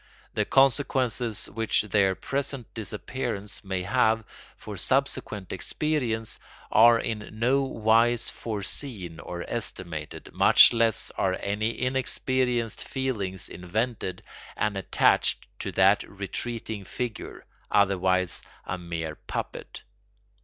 The consequences which their present disappearance may have for subsequent experience are in no wise foreseen or estimated, much less are any inexperienced feelings invented and attached to that retreating figure, otherwise a mere puppet.